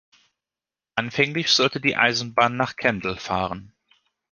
Anfänglich sollte die Eisenbahn nach Kendal fahren.